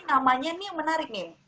namanya nih yang menarik nih